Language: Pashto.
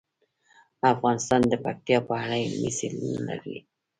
افغانستان د پکتیا په اړه علمي څېړنې لري.